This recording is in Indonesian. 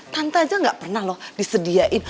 tante aja gak pernah loh disediain